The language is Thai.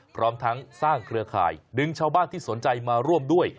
พร้อมทั้งสร้างเครือข่ายดึงชาวบ้านที่สนใจมาร่วมด้วย